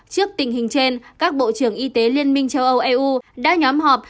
trước tình hình trên các bộ trưởng y tế liên minh châu âu eu đã nhóm họp